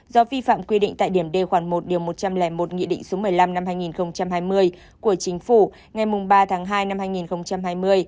do vi phạm quy định tại điểm d khoản một điều một trăm linh một nghị định số một mươi năm năm hai nghìn hai mươi của chính phủ ngày ba tháng hai năm hai nghìn hai mươi